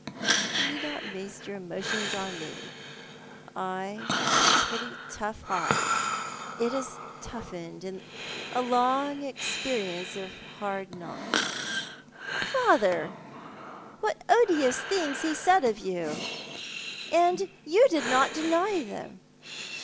" You need not waste your emotions upon me. I have a pretty tough hide. It has toughened in a long experience of hard knocks." "Father, what odious things he said of you — and you did not deny them."